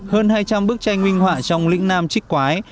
hơn hai trăm linh bức tranh minh họa trong lĩnh nam trích quái